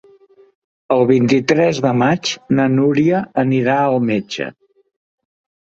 El vint-i-tres de maig na Núria irà al metge.